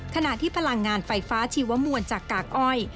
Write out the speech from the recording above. ขณะที่พลังงานไฟฟ้าชีวมวลจากกากอ้อย